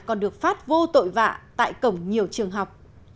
còn được phát vô tội vạ tại cổng nhiều trường học